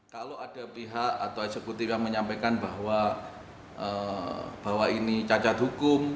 kalau ada pihak atau eksekutif yang menyampaikan bahwa ini cacat hukum